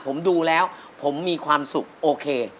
ผมดูแล้วผมมีความสุขโอเค